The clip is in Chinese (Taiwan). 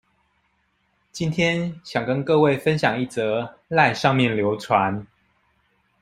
今天想跟各位分享一則賴上面流傳